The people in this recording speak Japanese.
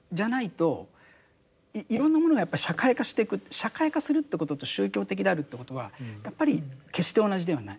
社会化するということと宗教的であるということはやっぱり決して同じではない。